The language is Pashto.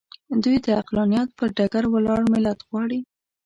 دوی د عقلانیت پر ډګر ولاړ ملت غواړي.